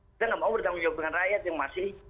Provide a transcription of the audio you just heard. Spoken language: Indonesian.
kita nggak mau bertanggung jawab dengan rakyat yang masih